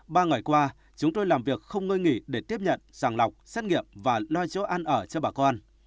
ba ngày qua chúng tôi làm việc không ngơi nghỉ để tiếp nhận sàng lọc xét nghiệm và loa chỗ ăn ở cho bà con